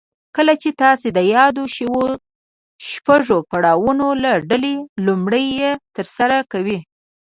کله چې تاسې د يادو شويو شپږو پړاوونو له ډلې لومړی يې ترسره کوئ.